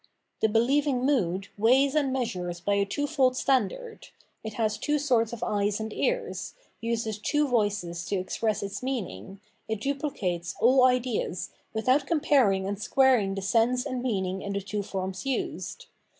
The beheving mood weighs and measures by a twofold standard, it has two sorts of eyes and ears, uses two voices to express its meaning, it duphcates aU ideas, without comparing and squaring the sense and meaning in the two forms used.